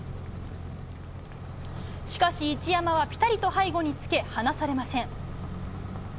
しかし一山はぴたりと背後につけ離されません。